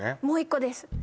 もう一個です